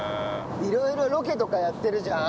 色々ロケとかやってるじゃん？